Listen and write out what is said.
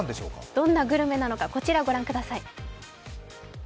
どんなグルメなのか、こちら御覧ください。